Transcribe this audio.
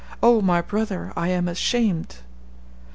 O, my brother, I am ashamed.'